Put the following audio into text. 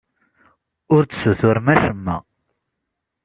Ur d-tessutrem acemma.